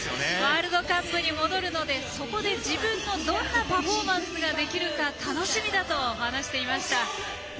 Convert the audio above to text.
ワールドカップに戻るのでそこで自分のどんなパフォーマンスができるか楽しみだと話していました。